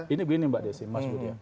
ini begini mbak desi mas budi